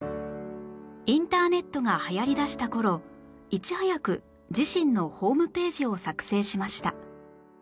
インターネットが流行りだした頃いち早く自身のホームページを作成しました